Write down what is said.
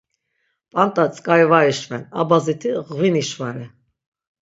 P̌anda tzǩari var işven, a baziti ğvini şvare.